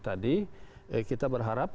tadi kita berharap